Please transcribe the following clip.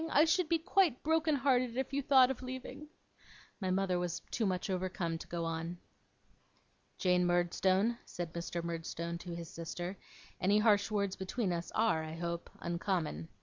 I should be quite broken hearted if you thought of leaving ' My mother was too much overcome to go on. 'Jane Murdstone,' said Mr. Murdstone to his sister, 'any harsh words between us are, I hope, uncommon.